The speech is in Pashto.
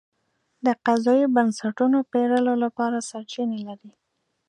د قضایي بنسټونو پېرلو لپاره سرچینې لري.